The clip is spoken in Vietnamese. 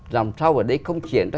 làm sao ở đấy không chuyển ra